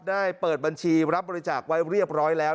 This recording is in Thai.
ได้เปิดบัญชีรับบริจาคไว้เรียบร้อยแล้ว